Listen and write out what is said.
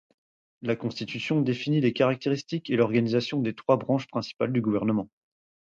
La constitution définit les caractéristiques et l'organisation des trois branches principales du gouvernement.